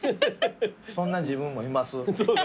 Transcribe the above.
そんな自分もいます。